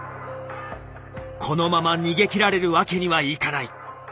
このまま逃げ切られるわけにはいかない。